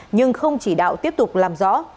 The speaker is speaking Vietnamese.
nhưng không chỉ đạo tiếp tục làm rõ